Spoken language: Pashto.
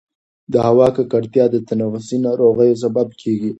د هوا ککړتیا د تنفسي ناروغیو سبب کېږي.